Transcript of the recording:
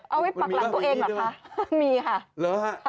เอาไว้ปรักรังตัวเองเหรอคะมีค่ะ